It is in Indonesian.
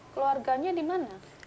keluarganya di mana